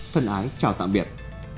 thân ái chào tạm biệt